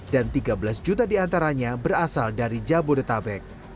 dan tiga belas juta diantaranya berasal dari jabodetabek